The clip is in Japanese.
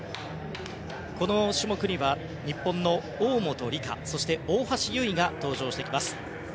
この種目には、日本の大本里佳そして、大橋悠依が登場してきます。